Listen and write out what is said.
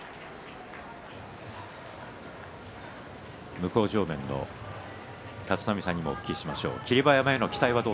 向正面の立浪さんにもお聞きしましょう。